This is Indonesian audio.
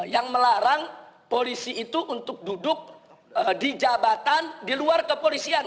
yang melarang polisi itu untuk duduk di jabatan di luar kepolisian